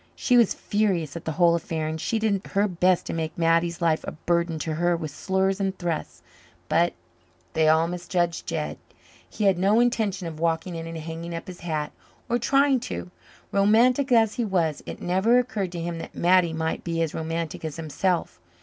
She was furious at the whole affair, and she did her best to make Mattie's life a burden to her with slurs and thrusts. But they all misjudged Jed. He had no intention of "walking in and hanging up his hat" or trying to. Romantic as he was, it never occurred to him that Mattie might be as romantic as himself.